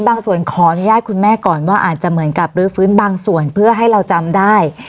ขออนุญาตคุณแม่ก่อนว่าอาจจะเหมือนกับลื้อฟื้นบางส่วนเพื่อให้เราจำได้